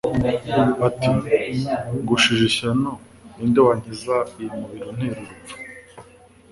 bati: "Ngushije ishyano ni nde wankiza uyu mubiri untera urupfu.'-"